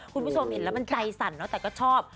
คุณผู้ชมเห็นแล้วมันใจสั่นเนอะแต่ก็ชอบ